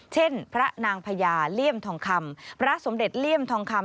เช่นพระนางพญาเลี่ยมทองคำพระสมเด็จเลี่ยมทองคำ